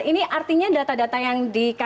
ini artinya data data yang dikeluarkan